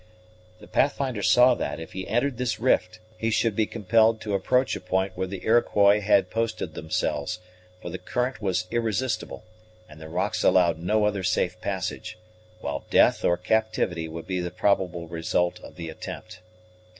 The Pathfinder saw that, if he entered this rift, he should be compelled to approach a point where the Iroquois had posted themselves, for the current was irresistible, and the rocks allowed no other safe passage, while death or captivity would be the probable result of the attempt.